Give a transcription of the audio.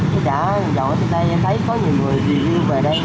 chứ cả dòng ở đây thấy có nhiều người vì yêu về đây